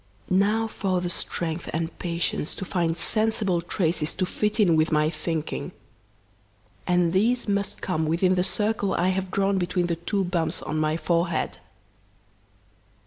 "Now for the strength and patience to find sensible traces to fit in with my thinking and these must come within the circle I have drawn between the two bumps on my forehead!